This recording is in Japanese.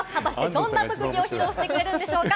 どんな特技を披露してくれるんでしょうか？